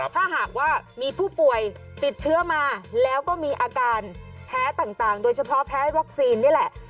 ถ้าหากว่ามีผู้ป่วยติดเชื้อมาแล้วก็มีอาการแพ้ต่างโดยเฉพาะแพ้วัคซีนนี่แหละ